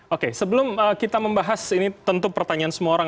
oke sebelum kita membahas ini tentu pertanyaan semua orang